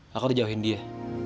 kakak udah jauhin dia